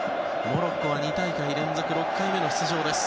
モロッコは２大会連続６回目の出場です。